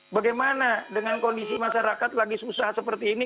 bagaimana dengan kondisi masyarakat lagi susah seperti ini